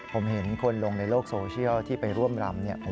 ผมเห็นคนลงในโลกโซเชียลที่ไปร่วมรำเนี่ย